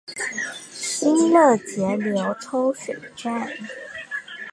新樂截流抽水站